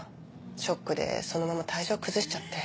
ショックでそのまま体調崩しちゃって。